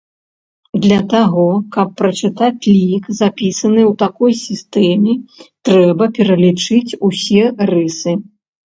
Для таго, каб прачытаць лік, запісаны ў такой сістэме, трэба пералічыць усе рысы.